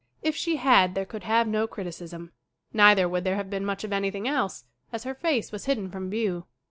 If she had there could have no criticism. Neither would there have been much of anything else, as her face was hidden from view.